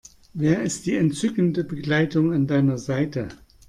Wer ist die entzückende Begleitung an deiner Seite?